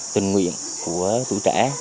tình nguyện của tuổi trẻ